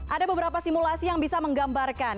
ada beberapa simulasi yang bisa menggambarkan